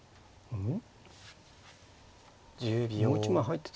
うん。